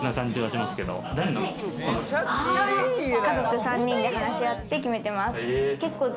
しま家族３人で話し合って決めてます。